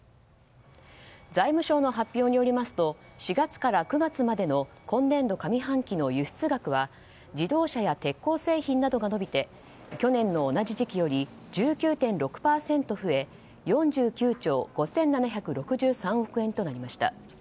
財務省の発表によりますと４月から９月までの今年度上半期の輸出額は自動車や鉄鋼製品などが伸びて去年の同じ時期より１９．６％増え４９兆５７６３億円となりました。